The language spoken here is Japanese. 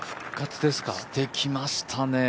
してきましたね。